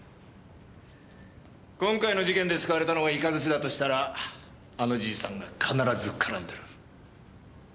今回の事件で使われたのがイカズチだとしたらあのじいさんが必ず絡んでる。